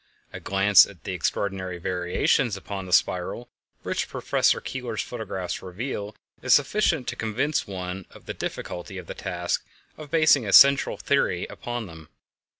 A glance at the extraordinary variations upon the spiral which Professor Keeler's photographs reveal is sufficient to convince one of the difficulty of the task of basing a general theory upon them.